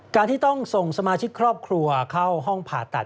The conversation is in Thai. การที่ต้องส่งสมาชิกครอบครัวเข้าห้องผ่าตัด